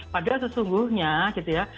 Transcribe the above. padahal sesungguhnya gitu ya